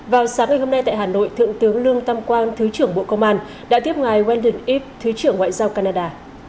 vào sáng ngày hôm nay tại hà nội thượng tướng lương tam quang thứ trưởng bộ công an đã tiếp ngài wendiv thứ trưởng ngoại giao canada